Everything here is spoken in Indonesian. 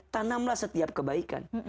tanamlah setiap kebaikan